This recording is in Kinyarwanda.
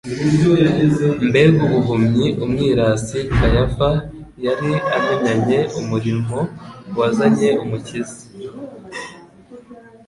Mbega ubuhumyi umwirasi Kayafa yari amenyanye umurimo wazanye Umukiza!